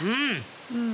うん。